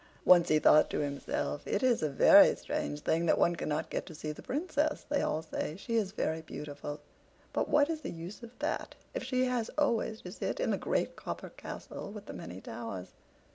Once he thought to himself: "It is a very strange thing that one cannot get to see the Princess. They all say she is very beautiful; but what is the use of that, if she has always to sit in the great copper castle with the many towers?